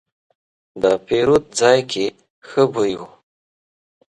د پیرود ځای کې ښه بوی و.